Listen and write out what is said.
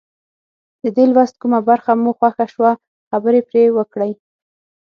د دې لوست کومه برخه مو خوښه شوه خبرې پرې وکړئ.